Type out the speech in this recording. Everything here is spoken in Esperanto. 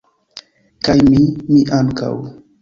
kaj mi, mi ankaŭ!